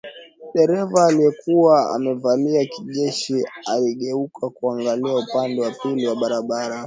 Dereva aliyekuwa amevalia kijeshi aligeuka kuangalia upande wa pili wa barabara